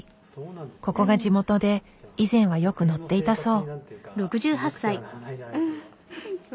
ここが地元で以前はよく乗っていたそう。